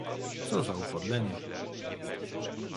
"co za upodlenie!..."